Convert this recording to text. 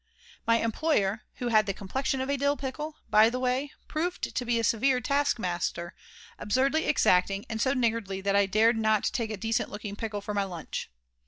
My employer, who had the complexion of a dill pickle, by the way, proved to be a severe taskmaster, absurdly exacting, and so niggardly that I dared not take a decent looking pickle for my lunch.